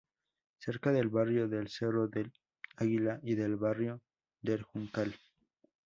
Cerca del barrio del Cerro del Águila y del barrio del Juncal.